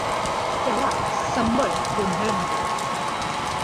त्याला संबळ गोंधळ म्हणतात.